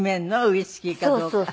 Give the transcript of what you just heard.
ウイスキーかどうか。